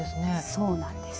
そうなんです。